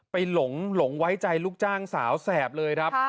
หลงไว้ใจลูกจ้างสาวแสบเลยครับ